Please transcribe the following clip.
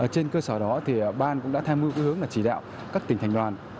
trên cơ sở đó thì ban cũng đã tham mưu hướng là chỉ đạo các tỉnh thành đoàn